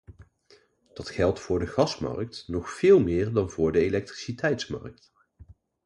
Dat geldt voor de gasmarkt nog veel meer dan voor de elektriciteitsmarkt.